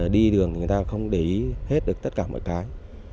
đi đường người ta không để ý hết được tất cả mọi cái